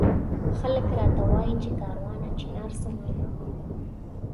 خلک راته وایي چي کاروانه چنار څه مانا؟